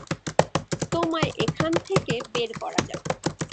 তোমায় এখান থেকে বের করা যাক।